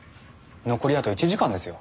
残りあと１時間ですよ。